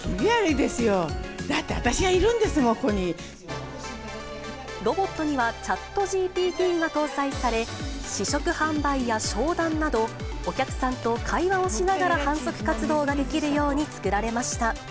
だって私がいるんですもん、ロボットにはＣｈａｔＧＰＴが搭載され、試食販売や商談など、お客さんと会話をしながら販促活動ができるように作られました。